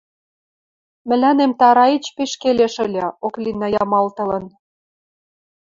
— Мӹлӓнем Тараич пиш келеш ыльы, — Оклина ямалтылын.